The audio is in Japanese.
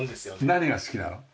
何が好きなの？